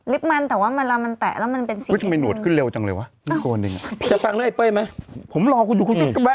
ลิฟต์มันแต่ว่าเวลามันแตะแล้วมันเป็นสีชมพู